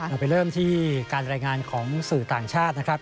เราไปเริ่มที่การรายงานของสื่อต่างชาตินะครับ